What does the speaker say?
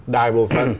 đài bộ phần